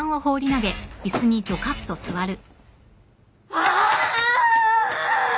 ああ！